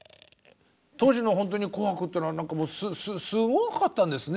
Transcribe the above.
当時のほんとに「紅白」っていうのはすごかったんですね。